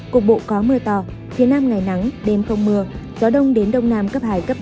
cục bộ có mưa to phía nam ngày nắng đêm không mưa gió đông đến đông nam cấp hai bốn